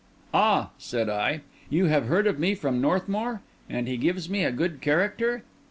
"Ah!" said I; "you have heard of me from Northmour? And he gives me a good character?"